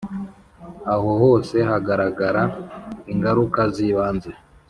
aho hose hagaragara ingaruka zibanze